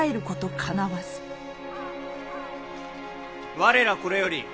我らこれより本領